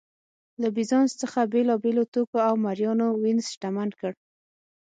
له بېزانس څخه بېلابېلو توکو او مریانو وینز شتمن کړ